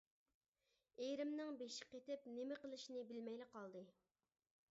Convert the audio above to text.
ئېرىمنىڭ بېشى قېتىپ، نېمە قىلىشىنى بىلمەيلا قالدى.